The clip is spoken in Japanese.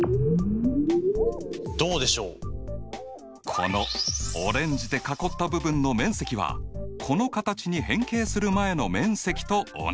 このオレンジで囲った部分の面積はこの形に変形する前の面積と同じ。